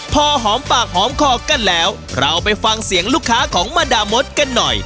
พอหอมปากหอมคอกันแล้วเราไปฟังเสียงลูกค้าของมาดามดกันหน่อย